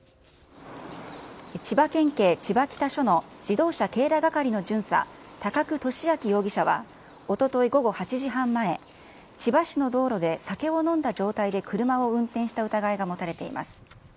千葉県警千葉北署の自動車警ら係の巡査、高久利明容疑者はおととい午後８時半前、千葉市の道路で酒を飲んだ状態で車を運転した疑いが持たれています。